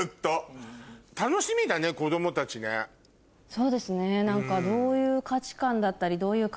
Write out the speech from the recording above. そうですね何か。